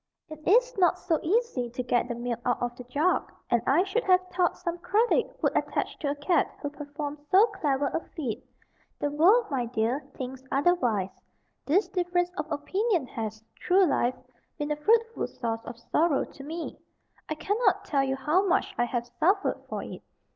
It is not so easy to get the milk out of a jug, and I should have thought some credit would attach to a cat who performed so clever a feat. The world, my dear, thinks otherwise. This difference of opinion has, through life, been a fruitful source of sorrow to me. I cannot tell you how much I have suffered for it.